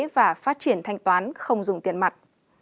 và phát triển thanh toán không dùng tiền mặt